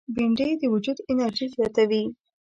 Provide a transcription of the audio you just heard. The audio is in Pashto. بېنډۍ د وجود انرژي زیاتوي